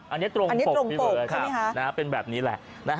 อันนี้ตรงปกใช่ไหมครับเป็นแบบนี้แหละ